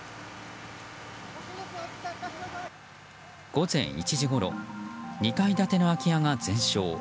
午前１時ごろ２階建ての空き家が全焼。